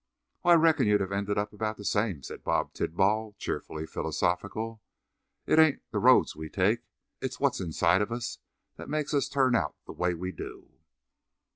"Oh, I reckon you'd have ended up about the same," said Bob Tidball, cheerfully philosophical. "It ain't the roads we take; it's what's inside of us that makes us turn out the way we do."